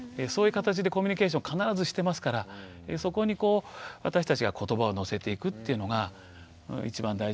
そういう形でコミュニケーションを必ずしてますからそこにこう私たちがことばをのせていくっていうのが一番大事かなと。